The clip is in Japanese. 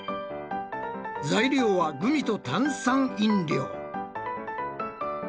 材料はグミと炭酸飲料。